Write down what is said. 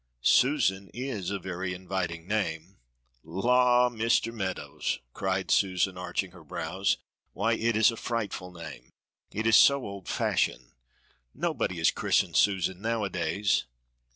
Susan is a very inviting name." "La! Mr. Meadows," cried Susan, arching her brows, "why, it is a frightful name it is so old fashioned; nobody is christened Susan nowadays."